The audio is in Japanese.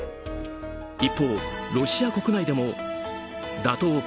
一方、ロシア国内でも打倒